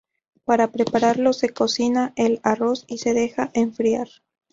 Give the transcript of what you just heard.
Para prepararlo, se cocina el arroz y se deja enfriar.